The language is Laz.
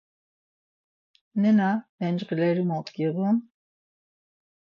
Nena mencğileri mo giğun?